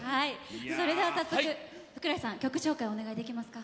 それでは早速、福来さん曲紹介お願いできますか？